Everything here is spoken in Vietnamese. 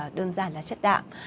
là những cái phần chất đạm